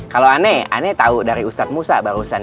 kalo ane ane tau dari ustadz musa barusan